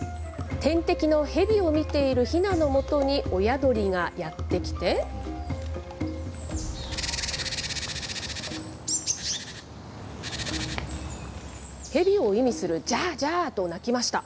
天敵のヘビを見ているひなのもとに、親鳥がやって来て。ヘビを意味するジャージャーと鳴きました。